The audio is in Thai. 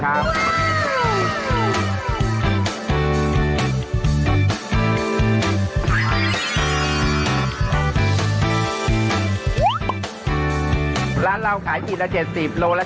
ปู่พญานาคี่อยู่ในกล่อง